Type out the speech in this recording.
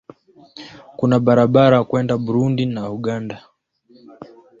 Kuna barabara kwenda Burundi na Uganda.